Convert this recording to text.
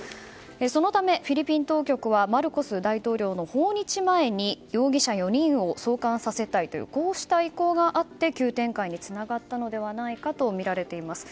そのため、フィリピン当局はマルコス大統領の訪日前に容疑者４人を送還させたいという意向があって急展開につながったのではないかとみられています。